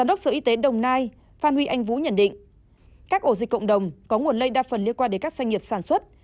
giám đốc sở y tế đồng nai phan huy anh vũ nhận định các ổ dịch cộng đồng có nguồn lây đa phần liên quan đến các doanh nghiệp sản xuất